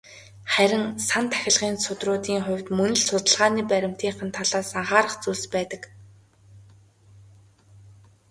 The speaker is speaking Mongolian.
Харин "сан тахилгын судруудын" хувьд мөн л судалгааны баримтынх нь талаас анхаарах зүйлс байдаг.